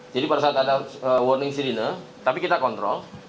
jadi pada saat ada warning sirine tapi kita kontrol